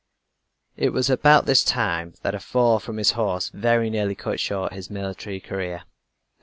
It was about this time that a fall from his horse very nearly cut short his military career.